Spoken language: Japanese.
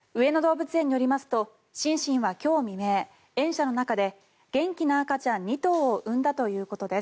上野動物園によりますとシンシンは今日未明園舎の中で元気な赤ちゃん２頭を生んだということです。